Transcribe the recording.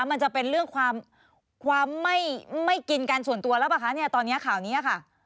มันจะเป็นเรื่องความความไม่กินกันส่วนตัวแล้วป่ะคะเนี่ยตอนนี้ข่าวนี้ค่ะ